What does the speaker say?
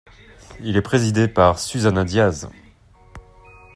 Il est présidé par Susana Díaz.